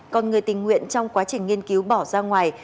còn người tình nguyện trong quá trình nghiên cứu bỏ ra ngoài